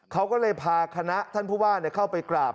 เขาก็เลยพาคณะท่านผู้ว่าเข้าไปกราบ